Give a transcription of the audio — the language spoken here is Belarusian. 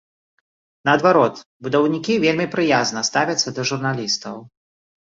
Наадварот, будаўнікі вельмі прыязна ставяцца да журналістаў.